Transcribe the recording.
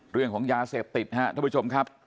เรื่องของยาเสพติดครับท่านผู้ชมครับ